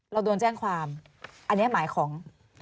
เราโดนแจ้งความอันนี้หมายของ